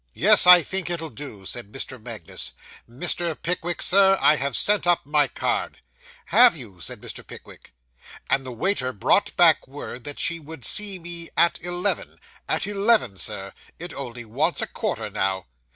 'Yes, I think it'll do,' said Mr. Magnus. 'Mr. Pickwick, Sir, I have sent up my card.' 'Have you?' said Mr. Pickwick. 'And the waiter brought back word, that she would see me at eleven at eleven, Sir; it only wants a quarter now.